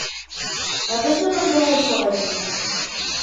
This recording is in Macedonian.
Не те сметам за лош советник.